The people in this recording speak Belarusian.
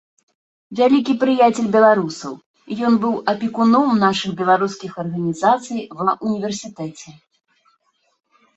Вялікі прыяцель беларусаў, ён быў апекуном нашых беларускіх арганізацый ва ўніверсітэце.